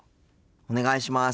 お願いします。